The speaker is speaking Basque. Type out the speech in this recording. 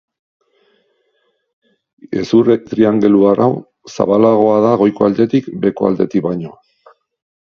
Hezur triangeluar hau, zabalagoa da goiko aldetik beheko aldetik baino.